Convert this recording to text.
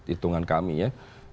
hitungan kami ya